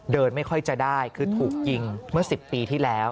เดินไม่ค่อยจะได้คือถูกยิงเมื่อ๑๐ปีที่แล้ว